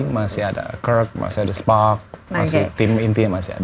masih ada kirk masih ada spock masih ada tim intinya